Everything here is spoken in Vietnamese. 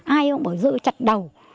ai ông bảo dự chặt đầu